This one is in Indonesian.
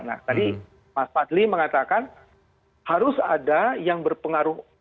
nah tadi mas fadli mengatakan harus ada yang berpengaruh